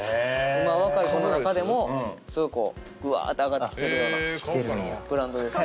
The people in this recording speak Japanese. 今若い子の中でもすごいこうグワーッて上がってきてるようなブランドですね。